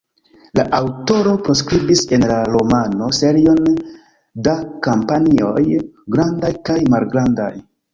La aŭtoro priskribis en la romano serion da kampanjoj grandaj kaj malgrandaj.